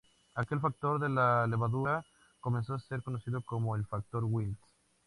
Aquel factor de la levadura comenzó a ser conocido como el Factor Wills.